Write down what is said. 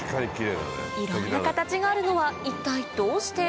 いろんな形があるのは一体どうして？